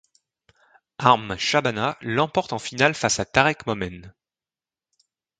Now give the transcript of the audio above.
Amr Shabana l'emporte en finale face Tarek Momen.